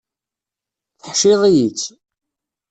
Teḥciḍ-iyi-tt.